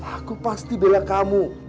aku pasti bela kamu